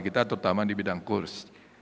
kita terutama di bidang kurs